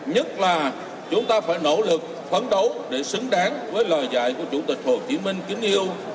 nhất là chúng ta phải nỗ lực phấn đấu để xứng đáng với lời dạy của chủ tịch hồ chí minh kính yêu